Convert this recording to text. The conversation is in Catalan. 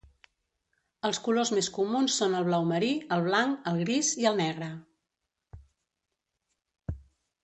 Els colors més comuns són el blau marí, el blanc, el gris i el negre.